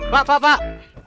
pak pak pak